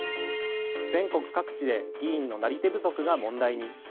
全国各地で議員のなり手不足が問題に。